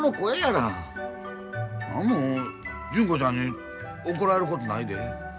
なんも純子ちゃんに怒られることないで。